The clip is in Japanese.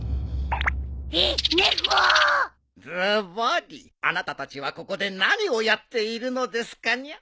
ズバリあなたたちはここで何をやっているのですかニャ？